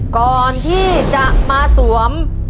ก่อนที่จะมาสวม